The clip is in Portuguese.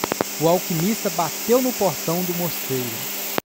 O alquimista bateu no portão do mosteiro.